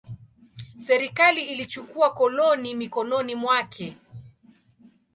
Serikali ilichukua koloni mikononi mwake.